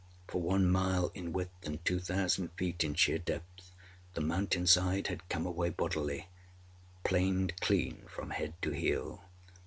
For one mile in width and two thousand feet in sheer depth the mountain side had come away bodily, planed clean from head to heel.